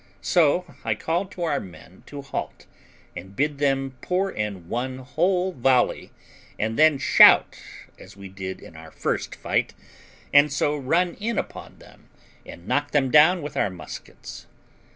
So I called to our men to halt, and bid them pour in one whole volley and then shout, as we did in our first fight, and so run in upon them and knock them down with our muskets.